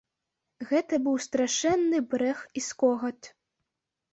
Гэта быў страшэнны брэх і скогат.